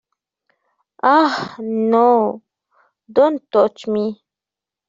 "Ah no, don't touch me!